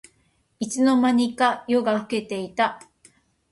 いつの間にか夜が更けていた